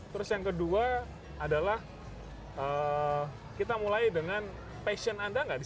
terus yang kedua adalah kita mulai dengan passion anda nggak sih